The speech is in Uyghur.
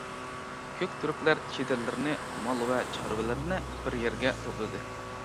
كۆك تۈركلەر چېدىرلىرىنى، مال ۋە چارۋىلىرىنى بىر يەرگە توپلىدى.